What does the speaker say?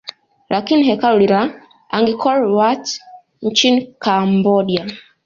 lakini hekalu la Angkor Wat nchini Cambodia